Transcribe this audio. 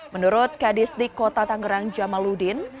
menurut kadisdik kota tangerang jamaludin